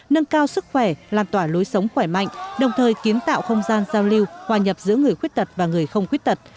nâng cao sức khỏe lan tỏa lối sống khỏe mạnh đồng thời kiến tạo không gian giao lưu hòa nhập giữa người khuyết tật và người không khuyết tật